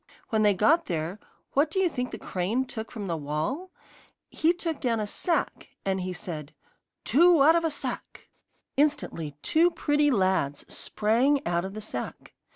When they got there, what do you think the crane took from the wall? He took down a sack, and he said: 'Two out of a sack!' Instantly two pretty lads sprang out of the sack.